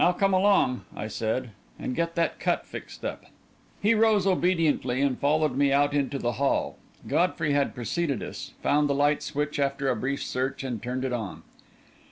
"Now, come along," I said, "and get that cut fixed up." He rose obediently and followed me out into the hall. Godfrey had preceded us, found the light switch after a brief search, and turned it on.